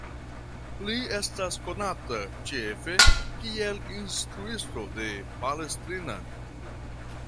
Li estas konata ĉefe kiel instruisto de Palestrina.